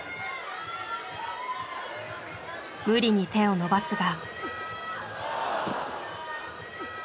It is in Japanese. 無理に手を伸ばすが。